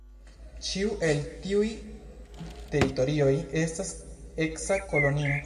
Ĉiu el tiuj teritorioj estas eksa kolonio.